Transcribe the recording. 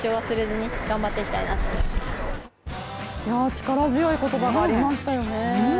力強い言葉がありましたよね。